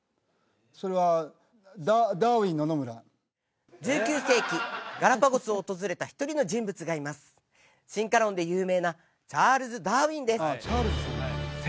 それは１９世紀ガラパゴスを訪れた１人の人物がいます進化論で有名なチャールズ・ダーウィンです